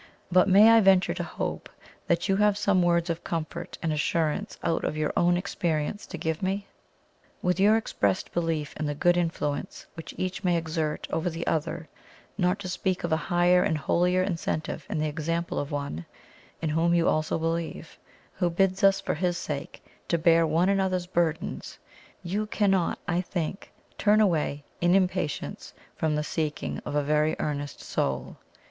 But may I venture to hope that you have some words of comfort and assurance out of your own experience to give me? With your expressed belief in the good influence which each may exert over the other, not to speak of a higher and holier incentive in the example of One (in whom you also believe) who bids us for His sake to 'Bear one another's burdens,' you cannot, I think, turn away in impatience from the seeking of a very earnest soul.